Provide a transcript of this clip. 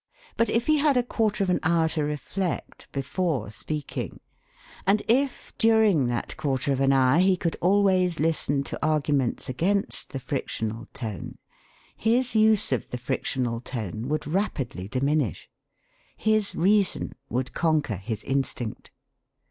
But if he had a quarter of an hour to reflect before speaking, and if during that quarter of an hour he could always listen to arguments against the frictional tone, his use of the frictional tone would rapidly diminish; his reason would conquer his instinct.